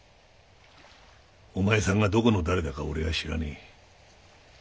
お前さんがどこの誰だか俺は知らねえ。